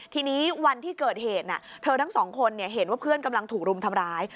ทีนี้วันที่เกิดเหตุเธอทั้งสองคนเห็นว่าเพื่อนกำลังถูกรุมทำร้าย